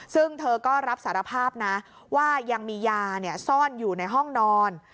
ซึ่งเธอก็รับสารภาพนะว่ายังมียาซ่อนอยู่ในห้องนอน